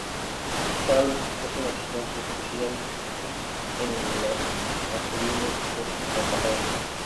Chávez es un asistente especial en Los Angelinos de Anaheim.